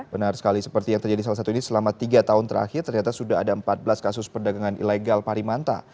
benar sekali seperti yang terjadi salah satu ini selama tiga tahun terakhir ternyata sudah ada empat belas kasus perdagangan ilegal parimanta